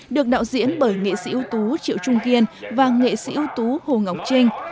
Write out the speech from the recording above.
được đạo diễn bởi nghệ sĩ ưu tú triệu trung kiên và nghệ sĩ ưu tú hồ ngọc trinh